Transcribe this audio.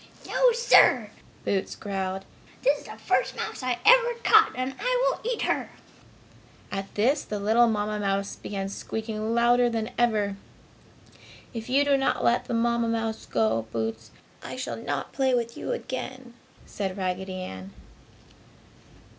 "No, sir!" Boots growled, "This is the first mouse I have ever caught and I will eat her!" At this the little Mamma mouse began squeaking louder than ever. "If you do not let the Mamma mouse go, Boots, I shall not play with you again!" said Raggedy Ann.